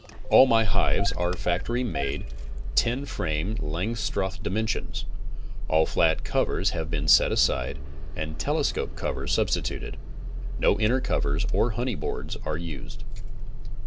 All my hives are factory made, ten frame Langstroth dimensions. All flat covers have been set aside and telescope covers substituted. No inner covers, or honey boards, are used.